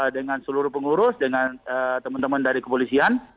dengan seluruh pengurus dengan teman teman dari kepolisian